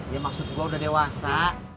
ya maksud gue udah dewasa